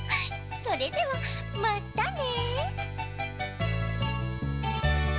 それではまったね。